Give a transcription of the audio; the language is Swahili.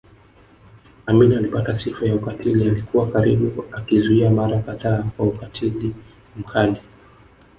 Amin alipata sifa ya ukatili alikuwa karibu akizuia mara kadhaa kwa ukatili mkali